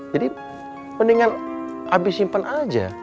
jadi mendingan abi simpen aja